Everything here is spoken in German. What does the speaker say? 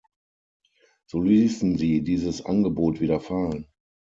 So ließen sie dieses Angebot wieder fallen.